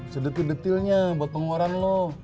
sedetik detilnya buat pengoran lo